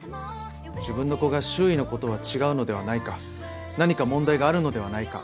自分の子が周囲の子とは違うのではないか何か問題があるのではないか。